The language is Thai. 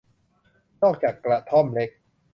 นอกจากกระท่อมเล็ก